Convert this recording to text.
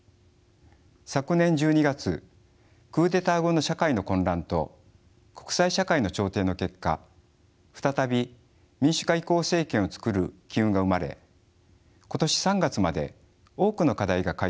昨年１２月クーデター後の社会の混乱と国際社会の調停の結果再び民主化移行政権を作る機運が生まれ今年３月まで多くの課題が解消されました。